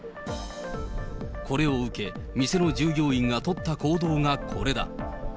これを受け、店の従業員が取った行動がこれだ。